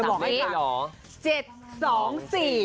โอเคจะบอกให้ฟัง